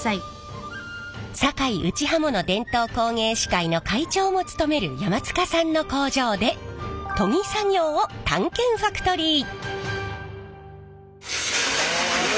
堺打刃物伝統工芸士会の会長も務める山塚さんの工場で研ぎ作業を探検ファクトリー。